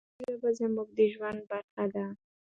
پښتو ژبه زموږ د ژوند برخه ده.